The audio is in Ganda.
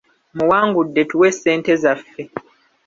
Muwangudde tuwe ssente zaffe.